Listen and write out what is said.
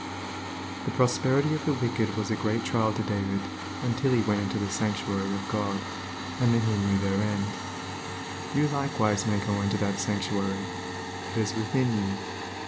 The prosperity of the wicked was a great trial to David until he went into the sanctuary of God, and then he knew their end. You likewise may go into that sanctuary. It is within you.